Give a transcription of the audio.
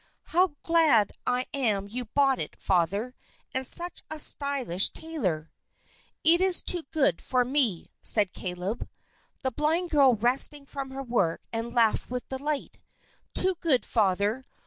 "How glad I am you bought it, Father! And such a stylish tailor!" "It's too good for me," said Caleb. The blind girl rested from her work and laughed with delight. "Too good, Father!